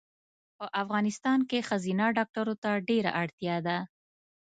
په افغانستان کې ښځېنه ډاکټرو ته ډېره اړتیا ده